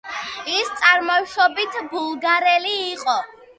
ის წარმოშობით ბულგარელი იყო.